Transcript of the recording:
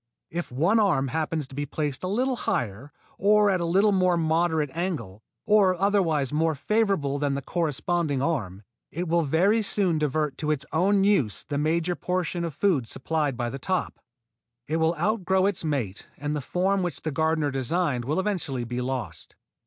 If one arm happens to be placed a little higher, or at a little more moderate angle, or otherwise more favorably than the corresponding arm, it will very soon divert to its own use the major portion of food supplied by the top. It will outgrow its mate and the form which the gardener designed will eventually be lost.